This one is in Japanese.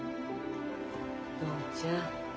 父ちゃん。